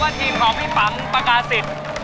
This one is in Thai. ทีมของพี่ปังปากาศิษย์